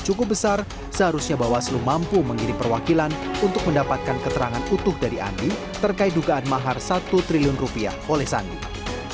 cukup besar seharusnya bawaslu mampu mengirim perwakilan untuk mendapatkan keterangan utuh dari andi terkait dugaan mahar satu triliun rupiah oleh sandiaga